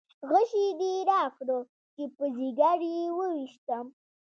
غشی دې راکړه چې په ځګر یې وویشتم.